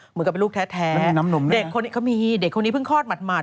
เหมือนกับเป็นลูกแท้เด็กคนนี้เขามีเด็กคนนี้เพิ่งคลอดหัด